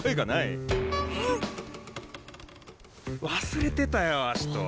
忘れてたよ葦人。